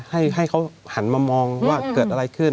ให้เขาหันมามองว่าเกิดอะไรขึ้น